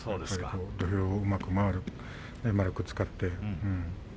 土俵をうまく円く使って。